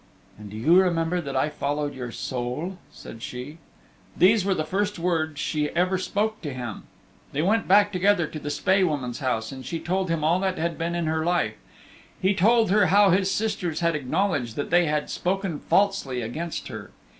"And do you remember that I followed your soul?" said she. These were the first words she ever spoke to him. They went back together to the Spae Woman's and she told him all that had been in her life. He told her how his sisters had acknowledged that they had spoken falsely against her.